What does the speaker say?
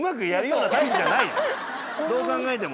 どう考えても。